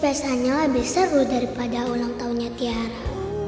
biasanya lebih seru daripada ulang tahunnya tiara